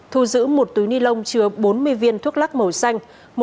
thu giữ một túi ni lông chứa bốn mươi viên thuốc lắc màu xanh